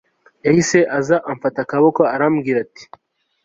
yahise aza amfata akaboko arambwira ati